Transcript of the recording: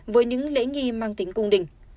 với những lễ nghi mang tính cung đình